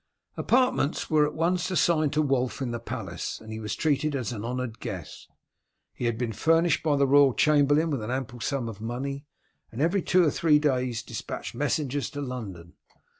Apartments were at once assigned to Wulf in the palace, and he was treated as an honoured guest. He had been furnished by the royal chamberlain with an ample sum of money, and every two or three days despatched messengers to London.